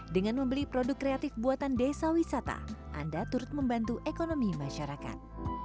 dengan membeli produk kreatif buatan desa wisata anda turut membantu ekonomi masyarakat